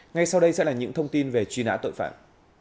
ngay sau đây sẽ là những thông tin về truy nã tội phạm